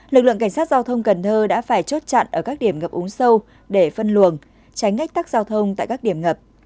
lực lượng cảnh sát giao thông cần thơ đã phải chốt chặn ở các điểm ngập úng sâu để phân luồng tránh ách tắc giao thông tại các điểm ngập